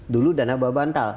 dulu dana babantal